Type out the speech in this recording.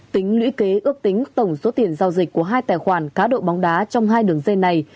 tính lũy kế ước tính tổng số tiền giao dịch của hai tài khoản cá độ bóng đá trong hai đường dây này